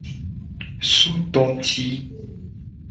Sototi.